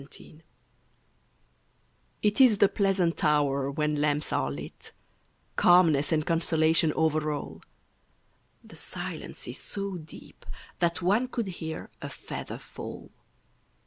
XII It is the pleasant hour when lamps are lit; Calmness and consolation over all; The silences so deep that one could hear A feather fall.